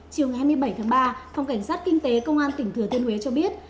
chiều hai mươi bảy tháng ba phòng cảnh sát kinh tế công an tp hcm cho biết